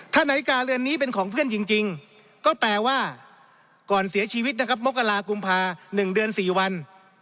ถ้านาฬิกาเรือนนี้เป็นของเพื่อนจริงก็แปลว่าก่อนเสียชีวิตนะครับมกรากุมภา๑เดือน๔วัน